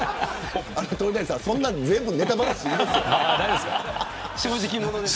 そんな全部ネタばらし、いいですよ。